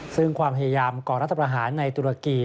ซึ่งความพยายามก่อรัฐประหารในตุรกี